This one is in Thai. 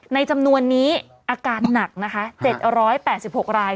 ในจำนวนนี้อาการหนักนะคะ๗๘๖ราย